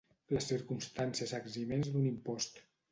Les circumstàncies eximents d'un impost.